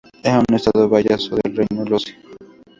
Eran un estado vasallo del Reino lozi.